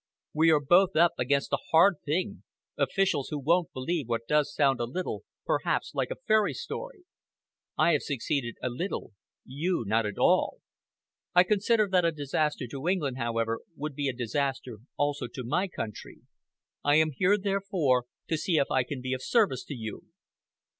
We are both up against a hard thing officials, who won't believe what does sound a little, perhaps, like a fairy story. I have succeeded a little, you not at all. I consider that a disaster to England, however, would be a disaster also to my country. I am here, therefore, to see if I can be of service to you."